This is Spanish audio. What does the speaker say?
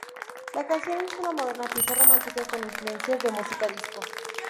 La canción es una moderna pieza romántica con influencias de música disco.